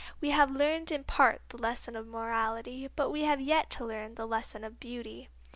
We have learned in part the lesson of morality, but we have yet to learn the lesson of beauty."